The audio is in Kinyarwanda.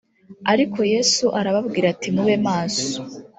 ariko yesu arababwira ati mube maso